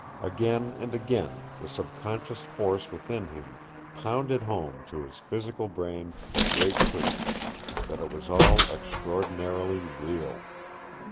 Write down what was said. Again and again the subconscious force within him pounded home to his physical brain the great truth, that it was all extraordinarily real.